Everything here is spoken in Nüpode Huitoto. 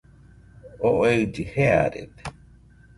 Oo ellɨ jearede